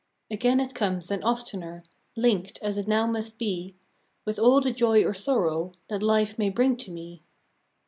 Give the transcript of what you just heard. Again it comes, and oftener, Linked, as it now must be, With all the joy or sorrow That Life may bring to me.